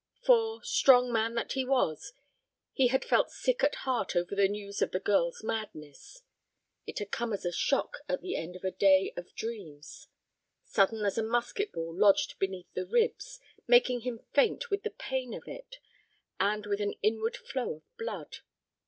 For, strong man that he was, he had felt sick at heart over the news of the girl's madness; it had come as a shock at the end of a day of dreams; sudden as a musket ball lodged beneath the ribs, making him faint with the pain of it and with an inward flow of blood.